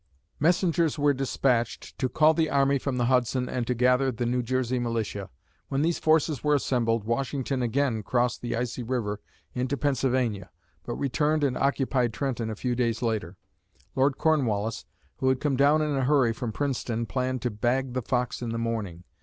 Messengers were dispatched to call the army from the Hudson and to gather the New Jersey militia. When these forces were assembled, Washington again crossed the icy river into Pennsylvania, but returned and occupied Trenton a few days later. Lord Cornwallis, who had come down in a hurry from Princeton, planned to "bag the fox in the morning."